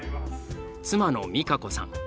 妻の美香子さん。